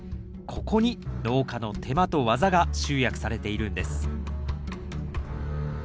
ここに農家の手間と技が集約されているんです